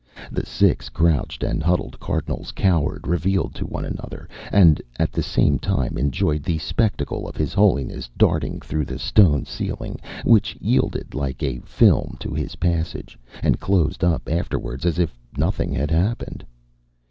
The six crouched and huddling Cardinals cowered revealed to one another, and at the same time enjoyed the spectacle of his Holiness darting through the stone ceiling, which yielded like a film to his passage, and closed up afterwards as if nothing had happened.